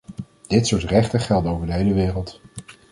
Dit soort rechten gelden over de hele wereld.